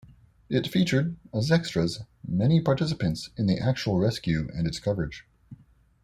It featured, as extras, many participants in the actual rescue and its coverage.